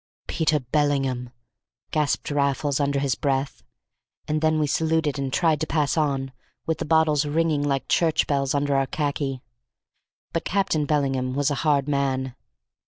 "Peter Bellingham!" gasped Raffles under his breath, and then we saluted and tried to pass on, with the bottles ringing like church bells under our khaki. But Captain Bellingham was a hard man.